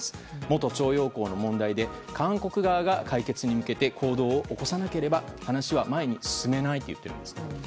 元徴用工の問題で韓国側が解決に向けて行動を起こさなければ話は前に進めないと言っているんです。